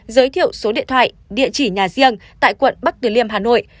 giới thiệu số điện thoại địa chỉ nhà riêng tại quận bắc từ liêm hà nội